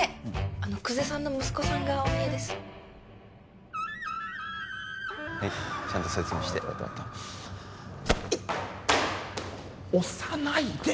あの久世さんの息子さんがお見えですはいちゃんと説明して押さないで！